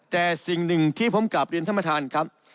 แต่สิ่งหนึ่งที่ผมกลับเรียนท่านประธานครับ